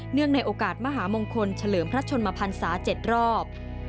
เนื่องในโอกาสมหามงคลเฉลิมพระชนมพันธ์ศาสตร์๗รอบ